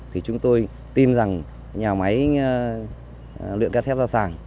thì chúng tôi tin rằng nhà máy luyện cán thép ra sàng